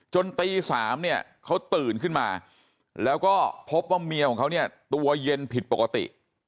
ตี๓เนี่ยเขาตื่นขึ้นมาแล้วก็พบว่าเมียของเขาเนี่ยตัวเย็นผิดปกติ